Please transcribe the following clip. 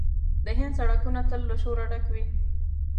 د هند سړکونه تل له شوره ډک وي.